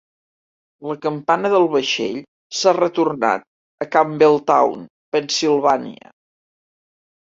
La campana del vaixell s"ha retornat a Campbelltown, Pennsilvània.